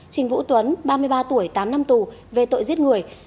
trình vũ tuấn ba mươi ba tuổi tám năm tù về tội giết người